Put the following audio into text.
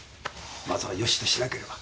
まずはよしとしなければ。